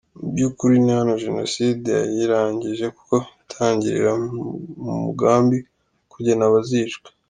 Mu by’ukuri, ni hano Jenoside yayirangije kuko itangirira mu mugambi wo kugena abazicwa.